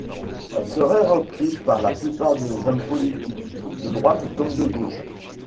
Elle serait reprise par la plupart des hommes politiques, de droite comme de gauche.